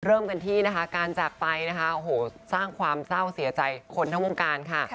เริ่มกันที่นะคะการจากไปนะคะโอ้โหสร้างความเศร้าเสียใจคนทั้งวงการค่ะ